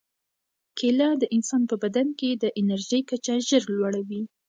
کیله د انسان په بدن کې د انرژۍ کچه ژر لوړوي.